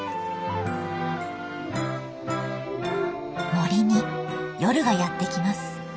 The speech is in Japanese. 森に夜がやって来ます。